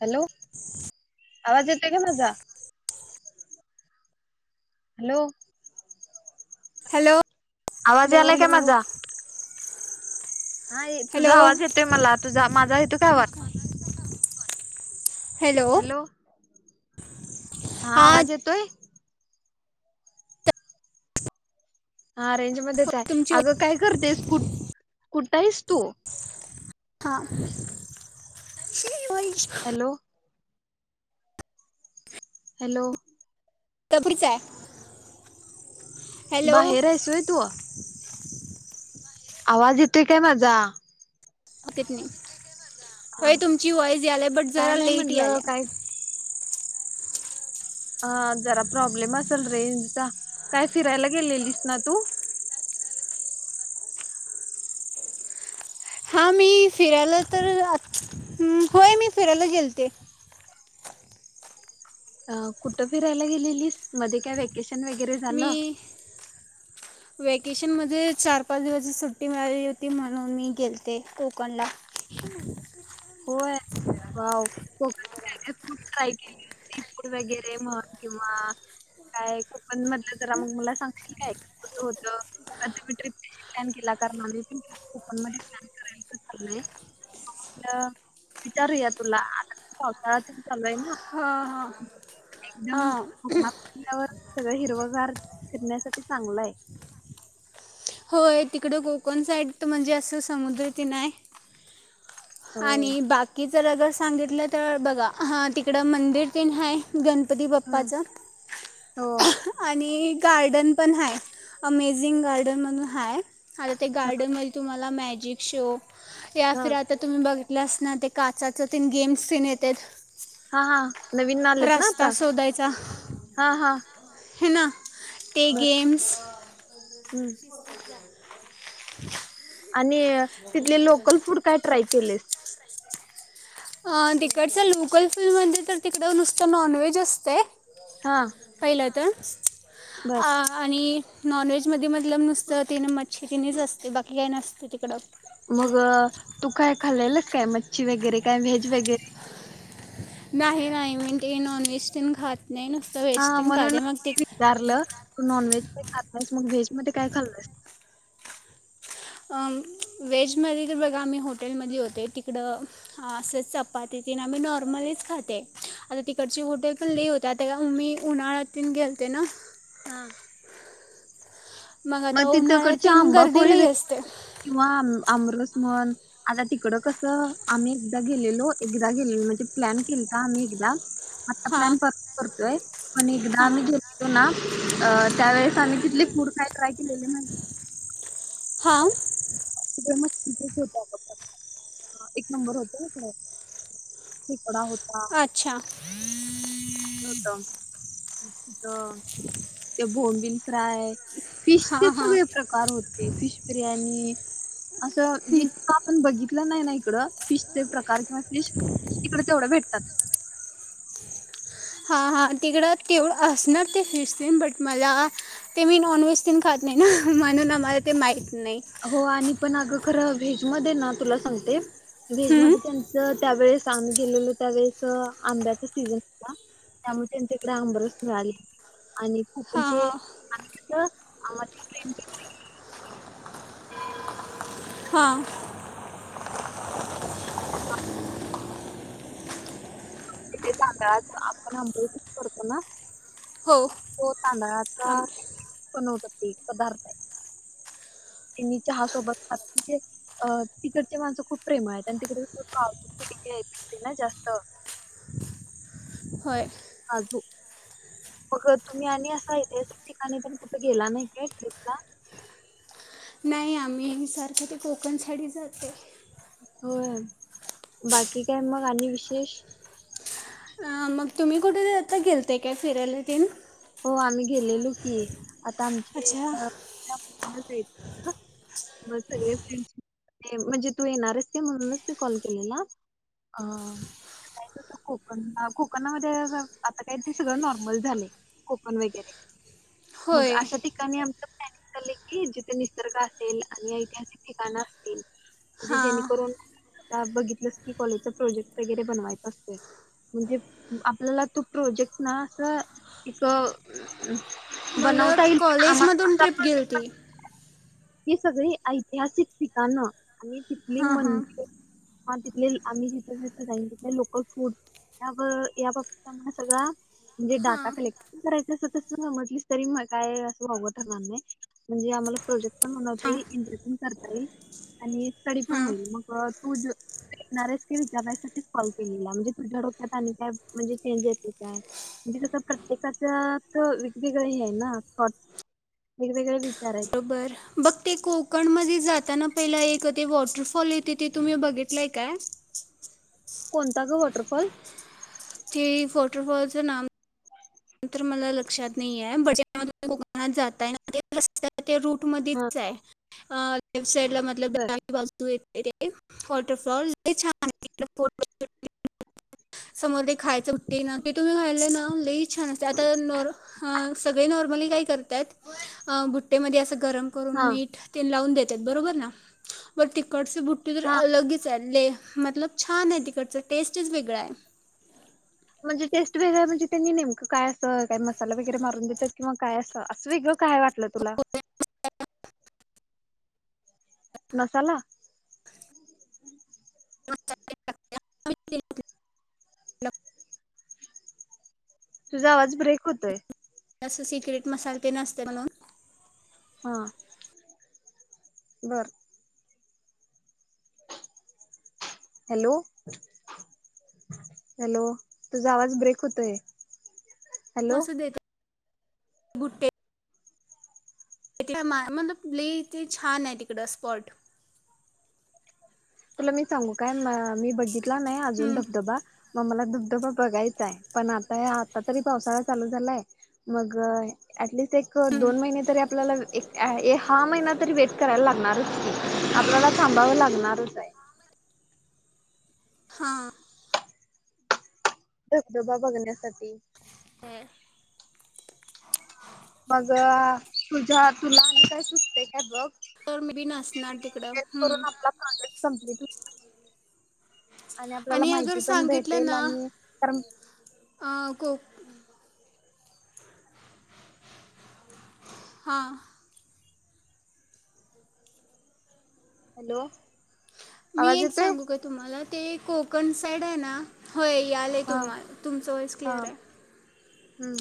Hello, आवाज येतोय का माझा? हॅलो, हॅलो, आवाज हॅलो यायलाय हॅलो का माझा? हा ए तुझा हॅलो आवाज येतोय मला, तुझा माझा येतोय का आवाज? हॅलो, हा हां आवाज येतोय? हा रेंज मध्येच हाये, तुमची अगं काय करतेस, कु कुठंयेस तु? हा, शि वैयिष हॅलो, हॅलो, काहीतरीच आहे. हॅलो बाहेरेस व्हयं तु? आवाज येतोय काय माझा? ओकथ नाही, आवाज येतोय माझा? होय हा तुमची वॉईज याले बट काय जरा नाही लेट म्हटलं याले. काय हा जरा प्रॉब्लेम असेल रेंजचा, काय फिरायला गेलेलीस ना तू? हा मी फिरायला तर आत, होय मी फिरायला गेलते. अं कुठं फिरायला गेलेलीस, मध्ये काय वेकेशन वगैरे झालं मी [inaudible] वॅकेशन म्हणजे चार-पाच दिवसची सुट्टी मिळाली होती, म्हणून मी गेलते कोकणला. होय, अं कोकणात [unintelligible] सी फूड वगैरे मग किंवा काय कोकन मधलं जरा मग मला सांग की काय कसं होत, आन् तुम्ही ट्रिप कशी प्लॅन केला? कारण मला पण कोकण मध्ये प्लॅन करायचं चाललंय. मग म्हटलं विचारूया तुला आता पावसाळा पण चालू आहे ना. हा, एकदम उकमाडावर सगळं हिरवं गार फिरण्यासाठी चांगलय. होय. तिकड कोकण साईड म्हणजे असं समुद्र की नाय होय. आणि बाकी जर अगर सांगितलं तर बघा तिकडं मंदिर तिन हाय गणपती हम्म बाप्पाच. हो. आणि गार्डन पण आहे. अमेझिंग गार्डन म्हणून हाय आता ते हा गार्डन मध तुम्हाला मॅजिक शोप या हा फिर आता तुम्ही बघितलं अस ना ते काचाच तीन गेम्स सीन येतात. हा -हा नवीन नालेत ना रस्ता आता हा- हा. ही ना ते बर गेम्स. हम्म. आणि तिथले लोकल फूड काय ट्राय केलेस? अ तिकडचं लोकल फूड म्हणजे तर तिकडं नुसत नॉनव्हेज असते. हा. पहिलं तर बर आ आणि नॉन व्हेजमध्ये -मध्ये तिथलं नुसतं तीन मच्छी तिनच असते बाकी काही नसते तिकडं. मग तू काय खाल्लेलंस काय मच्छी वगैरे काय व्हेज वगैरे? नाही -नाही. मी ते नॉन व्हेज तीन खात नाही ना. हा म्हणून विचारलं तू नॉन व्हेज काही खात नाहीस. मग व्हेज मध्ये काय खाल्ला? व्हेज मध्ये तर बघा आम्ही हॉटेलमधली होते तिकडं हा असंच चपाती तीन आम्ही नॉर्मलीच खाते आता तिकडची हॉटेल पण लय होते. त्यात मी उन्हाळ्याून गेलते ना. हा आता मग उन्हाळ्यात तिथकडची तीन गर्दी आंबापोळी लई असते वगैरे किंवाम आमरस म्हण. आता तिकड कसं आम्ही एकदा गेलेलो -एकदा गेलेलो म्हणजे प्लॅन केलता आम्ही एकदा आता हां प्लॅन परत करतोय. पण एकदा हां आम्ही घेलतो ना अ त्यावेेळेस आम्ही तिथले फूड काय ट्राय केलेले माहिती का. हा. [unintelligible] एक नंबर होत तिथलं खेकडा होता. अच्छा होत तिथ ते बोंबिल फ्राय फिशचे हां हां सगळे प्रकार होते. फिश बिर्याणी असं जे आपण बघितलं नाही ना इकड फिशचे प्रकार किंवा फिश इकड तेवढं भेटतात. हा -हा तिकडं तेवढं असणार ते बीच तेन बट मला ते मी नॉनव्हेज तिन खात नाही. ना म्हणून आम्हाला ते माहित नाही. हो आणि पण अगं खरं व्हेजमध्ये ना तुला सांगते हं? व्हेजमध्ये त्यांच त्यावेेळेस आम्ही गेलेलो त्यावेेळेस आंब्याचा सीझन होता. त्यामुळे तिकडं आमरस मिळाली. आणि हां खूणजे हां [inaudible] हा. सांगाच आपण आंबेच करतो ना? हो. तो तांदळाचा आम बनवतात पदार्थताय. त्यां चहा सोबत हात होते अ तिकड ते माणसं खूप प्रेम आहे. आणि तिकडे काजू पिकते ना जास्त. होय. आजु मग तुम्ही आणि असा ऐतिहासिक ठिकाणी तेन कुठे गेला नाही काय ट्रीपला नाही आम्ही नेहमी सारखं ते कोकण साइड ही जाते होय बाकी काय मग आणि विशेष अं, मग तुम्ही कुठे आता गेलते काय फिरायला तेन हो आम्ही गेलेलो की आता आमचे अच्छा अ [inaudible] मग सगळे फ्रेंड म्हणजे तू येणार असते म्हणूनच मी कॉल केलेला अ जायचं होतं कोकणला कोकणामध्ये आता काय ते सगळं नॉर्मल झालंय कोकण वेगेरे मग होय अशा ठिक काणी आमचं प्लॅनिंग चाललंय की जिथे निसर्ग असेल आणि ऐतिहासिक ठिकाणं असतील म्हणजे हां जेणेकरून आता बघितलंस की कॉलेजचा प्रोजेक्ट वगैरे बनवायचा असतोय म्हणजे आपल्याला तो प्रोजेक्ट ना असं एक मला बनवता येईल पण कॉलेजमधून आम्हाला ट्रिप गेलती ही सगळी ऐतिहासिक ठिकाणं आणि तिथली हां हां मंदिरं आन तिथले आम्ही जिथं जिथं जाईन तिथले लोकल फूड या ब बाबतीत आम्हाला सगळा म्हणजे हां डाटा कलेक्ट करायचं असं तसं समजलीस तरी काय असं वावगं ठरणार नाही म्हणजे आम्हाला प्रोजेक्ट पण बनवता हां येई इंटर पण करता येई आणि स्टडी पण हां होईल मग तू ज तू येणार आहेस की विचारायसाठीच कॉल केलेला म्हणजे तुझ्या डोक्यात आणि काय म्हणजे चेंज येते काय म्हणजे कसं प्रत्येकाच्यात वेगवेगळं ही आहे ना थॉट वेगवेगळे विचार आहे बर बघते कोकणमध्ये जाताना पहिला एक ते वॉटरफॉल येते ते तुम्ही बघितलंय काय कोणता गं वॉटरफॉल ते वॉटरफॉलचं नाम तर मला लक्षात नाहीेये [inaudible] कोकणात जाताय ते रस्त्या ते रूट हा मधेच आहे अ लेफ्ट बर साईडला [inaudible] तू येते वॉटरफॉल [inaudible] समोर ते खायचं बघते ना ते तुम्ही खाल्लं ना लई छान असते आता नॉर हा सगळे नॉर्मली काय करत्यात अ बुट्टेमध्ये असं गरम करून हा मीठ तेन लावून देत्यात बरोबर ना वर तिकडचे बुट्टी तर हा अलगचाय लय मतलब छान आहे तिकडचं टेस्टच वेगळा आहे म्हणजे टेस्ट वेगळं हाय म्हणजे त्यांनी नेमकं काय असं काय मसाला वगैरे मारून देत्यात किंवा काय असं असं वेगळं काय वाट लं तुला मसाला [inaudible] तुझा आवाज ब्रेक होतोय असं सिक्रेट मसाला तेन असते म्हणून हा बर हॅलो हॅलो तुझा आवाज ब्रेक होतोय हॅलो मस्त देत् भुट्टे [inaudible] मतलब लय ते छान हाय तिकडं स्पॉट तुला मी सांगू काय, मी बघितला नाही अजून धबधबा. मग मला धबधबा बघायचा आहे, पण आता आता तरी पावसाळा चालू झालाय. मग ॲटलिस्ट एक दोन महिने तरी आपल्याला एक हा महिना तरी वेट करायला लागणारच, आपल्याला थांबावं लागणारच आहे. हां. धबधबा बघण्यासाठी. हम्म. माझ तुझ्या तुला आणि काय सुचतंय काय बघ. तर मी बी नसणार तिकडं हम्म. संपली की, आणि आपल्याला अगर माहिती पण सांगितलं भेटेल आणि कारण आं को हां. हॅलो. मी आवाज एक येतोय सांगू काय तुम्हाला, ते कोकण साईड आहे ना होय यायलय हा तुम्हाला तुमचं वॉईस हा क्लिअर आहे. हम्म.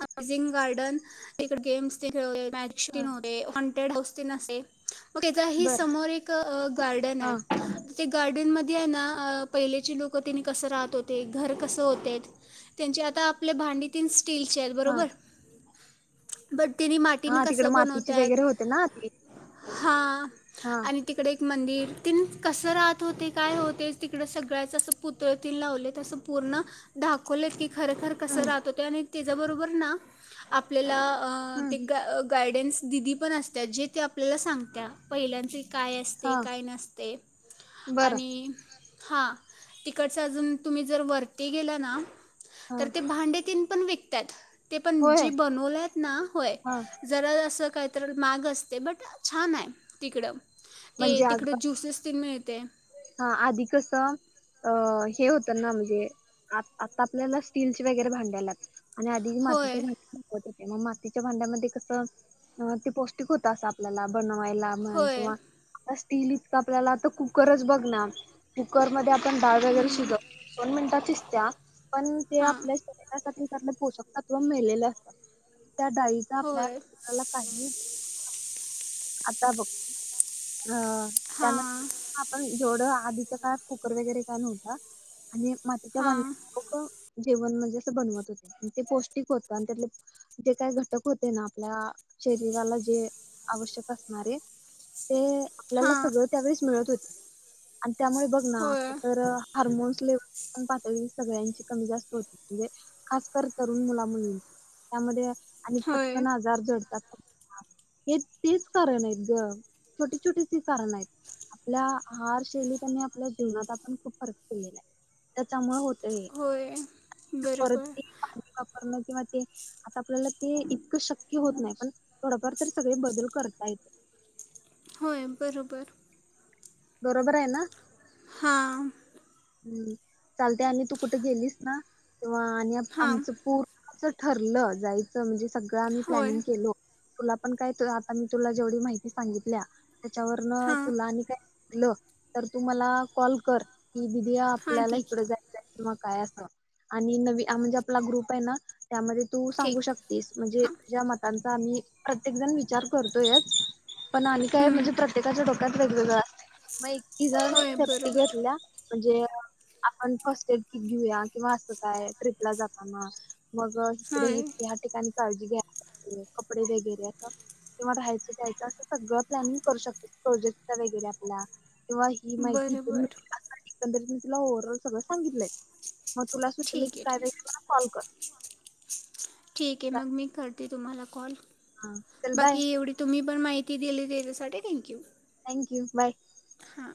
हाऊसिंग गार्डन इकडे गेम्स तेन खेळ हा मॅजिकन होते, हॉंटेड हाऊस तेन असते. त्याच्याही बर समोर एक गार्डन आहे. हा ते गार्डन मध्ये आहे ना पहिलेचे लोक तिने कसं राहत होते घर कसं होतेत त्यांचे आता आपले भांडी तेन स्टीलचे आहेत. हा बरोबर? बरं तेनी मातीने हा कस तिकडे मातीची बनवतात? वगैरे होते ना ती हां हा आणि तिकडे एक मंदिर तेनी कसं राहत होते? काय होते? तिकडे सगळ्याच असं पुत तळे तेन लावलेत असं पूर्ण दाखवलेत की खरं खरं कसं हम्म राहत होते? आणि त्याच्याबरोबर ना आपल्याला हम्म ते गायडन्स दिदी पण असत्या, जे ते आपल्याला सांगत्या. पहिल्यांची काय असते? हा काय नसते? बरं आणि हा तिकडच अजून तुम्ही जर वरती गेला ना हा तर ते भांडे तेन पण विकत आहेत ते पण होय जे बनवलेत ना, होय. हा जरा असं काही तर महाग असते, बट छान आहे तिकडं. ते तिकडे ज्युसेस तेन मिळते. हां आधी कसं अ हे होतं ना, म्हणजे आता आपल्याला स्टीलचे वगैरे भांडी आल्यात. आणि आधी मातीच्या होय भांडी मग मातीच्या भांड्यामध्ये कस ते पौष्टिक होत अस आपल्याला बनवायला. म्हण होय किंवा स्टील इतकं आपल्याला आता कुक्कर च बघ ना कुक्करमध्ये आप पण डाळ वैगेरे हम्म, शिजवतो, दोन मिनिटात शिजत्या पण ते हां आपल्या शरी त्यासाठी आपलं पोषक तत्त्व मेलेले असतात. म्हणजे त्या डाळीचा आपल्या होय शरीराला काही उपयोग आता बघ हां त्यानां हां आपण जेवढं आधीच्या काळात कुकर वगैरे काय नव्हता, आणि मातीच्या हां भांड्यात लोकं जेवण म्हणजे असं बनवत होते, आणि ते पौष्टिक होतं आणि त्यातले जे काय घटक होते ना आपल्या शरीराला जे आवश्यक असणारे ते आपल्याला हां सगळं त्यावेळेस मिळत होते. आणि त्यामुळे बघ ना आता होय तर हार्मोन्स लेवल पण पातळी सगळ्यांची कमी जास्त होते, म्हणजे खासकरून तरुण मुला-मुलीं त्यामध्ये आणि होय पथकन आजार जडतात हेच. तेच कारण आहेत ग छोटे छोटीचे कारण आहेत. आपल्या हार शैलीत आणि आपल्या जीवनात आपण खूप फरक पडलेला आहे त्याच्यामुळे होत होय [unintelligible] बरोबर वापरण किंवा ते आता आपल्याला ते इतकं शक्य होत नाही पण थोडंफार तर सगळे बदल करता येत. होय बरोबर. बरोबर आहे ना? हा. हम्म चालते आणि तू कुठे गेलीस ना तेव्हा आणि हां आमचं पूर असं ठरलं जायचं म्हणजे सगळं आम्ही होय प्लॅनिंग केलो तुला पण काय आता मी तुला जेवढी माहिती सांगितल्या त्याच्यावरन हां तुला आणि ल तर तू मला कॉल कर की दिदीया हां आपल्याला ठीक इकडे जा किंवा काय अस आणि नवी म्हणजे आपला ग्रुप आहे ना त्यामध्ये तू सांगू ठीक शकते म्हणजे हां या मतांचा आम्ही प्रत्येक जण विचार करतोयच पण आणि काय हम्म, म्हणजे प्रत्येकाच्या डोक्यात वेग मग इकी जण होय सेप्टी बरोबर घेतल्या म्हणजे आपण फस्ट एड क घेऊया किंवा असं काय ट्रिपला जाताना मग इकडे हे होय ह्या ठिकाणी काळजी घ्यायला ला कपडे वगैरे असं किंवा राहायचं यायचं असं सगळं लॅनिंग करू शकतो जेक्ट वगैरे किंवा ही माहितीं बरं बरं एकंदरीत मी तुला ओव्हरऑल सगळं सांगितलंय. मग तुला सुितलं ठीक की आहे ठीक काय वे आहे मला कॉल कर ठीक आहे मग मी करते तुम्हाला कॉल चल बाय बाकी एवढी तुम्ही पण माहिती दिली त्याच्यासाठी थँक्यू. Thank you bye. हां.